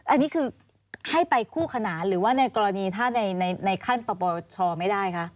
อันนี้คือให้ไปคู่ขนานหรือว่าในกรณีถ้าในขั้นปปชไม่ได้คะ